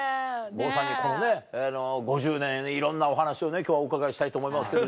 郷さんにこの５０年いろんなお話を今日はお伺いしたいと思いますけれど。